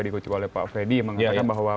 dikunci oleh pak fredri mengatakan bahwa